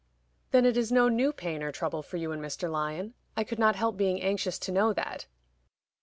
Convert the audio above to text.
"Then it is no new pain or trouble for you and Mr. Lyon? I could not help being anxious to know that."